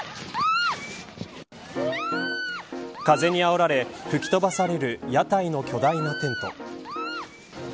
風にあおられ吹き飛ばされる屋台の巨大なテント。